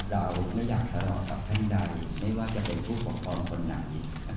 เราไม่อยากทะเลาะกับท่านใดไม่ว่าจะเป็นผู้ปกครองคนไหน